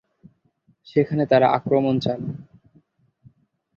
সেখানে তারা আক্রমণ চালান।